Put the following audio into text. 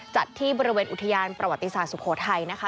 จัดที่บริเวณอุทยานประวัติศาสตร์สุโขทัยนะคะ